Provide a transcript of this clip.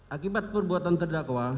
akibat perbuatan terdakwa